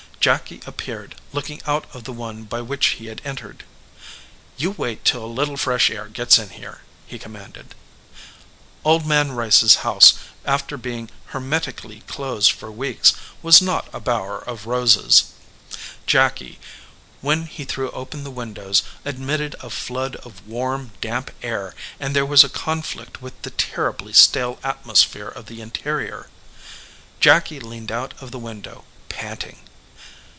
Jacky appeared, looking out of the one by which he had entered. "You wait till a little fresh air gets in here," he commanded. Old Man Rice s house, after being hermetically 35 EDGEWATER PEOPLE closed for weeks, was not a bower of roses. Jacky, when he threw open the windows, admitted a flood of warm, damp air, and there was a conflict with the terribly stale atmosphere of the interior. Jacky leaned out of the window, panting.